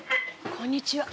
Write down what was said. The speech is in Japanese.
こんにちは。